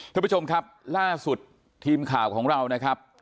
ท่านผู้ชมครับล่าสุดทีมข่าวของเรานะครับ